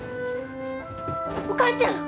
お母ちゃん！